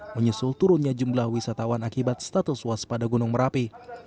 menyusul turunnya jumlah wisatawan akibat status waspada gunung merapi